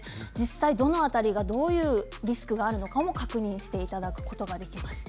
どの辺りがどういうリスクがあるのかも確認していただくことができます。